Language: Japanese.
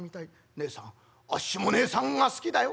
『ねえさんあっしもねえさんが好きだよ』。